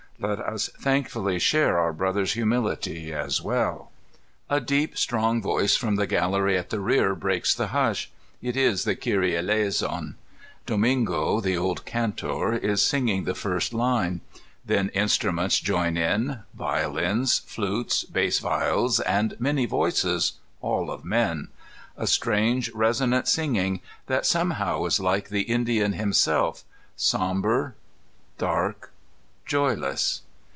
Let us thankfully share our brothers' humility, as weU.) A deep, strong voice from the gallery at the rear breaks the hush. It is the Kyrie Ekison. Domingo, the old cantor, is singing the first line. Then instruments join in, violins, flutes, bass viols, and many voices, all of men: a strange, resonant singing, that somehow is like the Indian himself, somber, 272 dark, joyless.